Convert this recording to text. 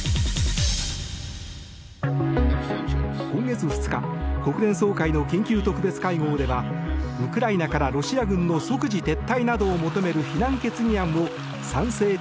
今月２日国連総会の緊急特別会合ではウクライナからロシア軍の即時撤退などを求める非難決議案を賛成